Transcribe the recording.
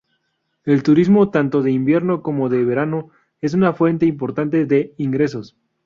El turismo, tanto de invierno como de verano, es una fuente importante de ingresos.